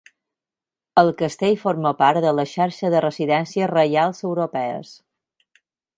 El castell forma part de la xarxa de residències reials europees.